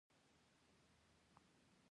د مبارزې ستراتیژي او تخنیکونه کوم دي؟